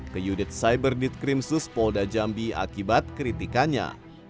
ke yudit cyberdit krimsus polda jambi akibat kritikannya